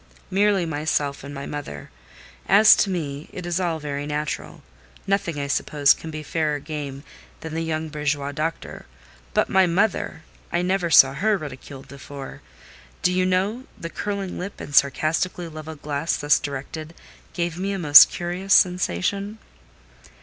"Merely myself and my mother. As to me it is all very natural: nothing, I suppose, can be fairer game than the young bourgeois doctor; but my mother! I never saw her ridiculed before. Do you know, the curling lip, and sarcastically levelled glass thus directed, gave me a most curious sensation?"